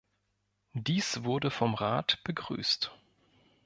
Dies wurde vom Rat begrüßt.